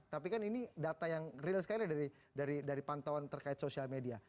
tapi kan ini data yang real sekali dari pantauan terkait sosial media